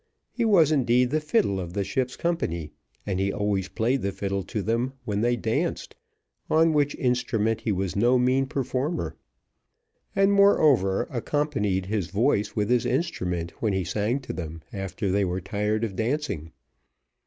He was indeed the fiddle of the ship's company, and he always played the fiddle to them when they danced, on which instrument he was no mean performer; and, moreover, accompanied his voice with his instrument when he sang to them after they were tired of dancing.